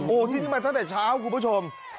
โอ้โหที่นี่มาตั้งแต่เช้าคุณผู้ชม